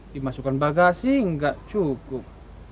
dimasukkan bagasi gak cukup